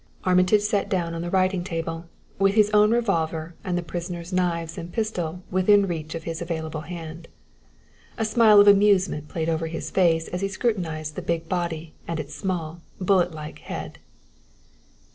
Armitage sat down on the writing table, with his own revolver and the prisoner's knives and pistol within reach of his available hand. A smile of amusement played over his face as he scrutinized the big body and its small, bullet like head.